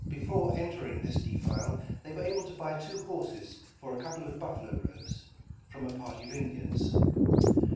Before entering this defile they were able to buy two horses for a couple of buffalo robes, from a party of Indians.